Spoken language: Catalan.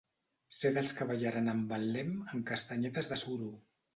Ser dels que ballaren en Betlem en castanyetes de suro.